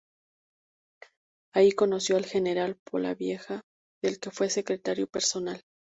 Allí conoció al general Polavieja, del que fue secretario personal.